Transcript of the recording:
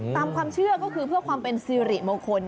ตามความเชื่อก็คือเพื่อความเป็นสิริมงคล